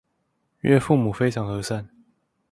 岳父母非常和善